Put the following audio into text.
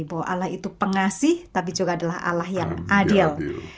bahwa allah itu pengasih tapi juga adalah allah yang adil